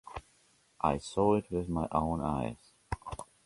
I saw it with my own eyes.